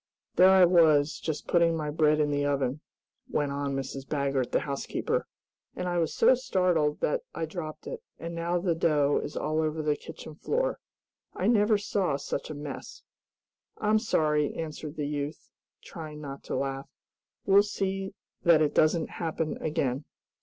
There I was, just putting my bread in the oven," went on Mrs. Baggert, the housekeeper, "and I was so startled that I dropped it, and now the dough is all over the kitchen floor. I never saw such a mess." "I'm sorry," answered the youth, trying not to laugh. "We'll see that it doesn't happen again."